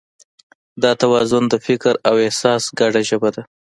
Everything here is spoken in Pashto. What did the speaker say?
دا توازن د فکر او احساس ګډه ژبه ده.